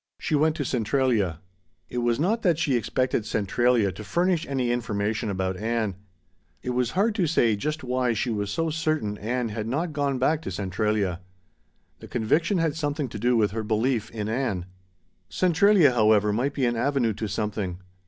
She went to Centralia. It was not that she expected Centralia to furnish any information about Ann. It was hard to say just why she was so certain Ann had not gone back to Centralia. The conviction had something to do with her belief in Ann. Centralia, however, might be an avenue to something.